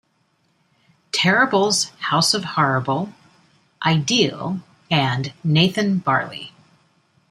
Terrible's House of Horrible", "Ideal" and "Nathan Barley".